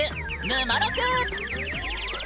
「ぬまろく」。